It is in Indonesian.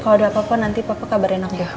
kalau udah apa apa nanti papa kabarin aku ya